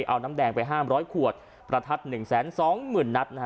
เอาน้ำแดงไปห้าม๑๐๐ขวดประทัด๑๒๐๐๐๐นัด